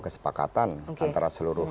kesepakatan antara seluruh